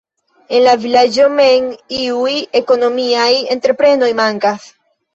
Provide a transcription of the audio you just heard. En la vilaĝo mem iuj ekonomiaj entreprenoj mankas.